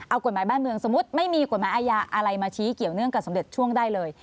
เอากฎหมายบ้านเมืองสมมุติไม่มีกฎหมายอาญาอะไรมาชี้เกี่ยวเนื่องกับสมเด็จช่วงได้เลย